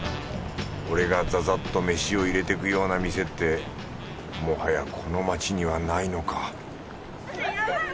俺がざざっと飯を入れてくような店ってもはやこの街にはないのか？